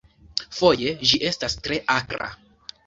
Foje ĝi estas tre akra.